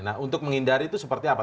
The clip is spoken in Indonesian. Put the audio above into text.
nah untuk menghindari itu seperti apa